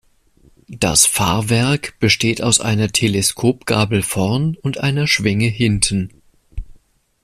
Das Fahrwerk besteht aus einer Teleskopgabel vorn und einer Schwinge hinten.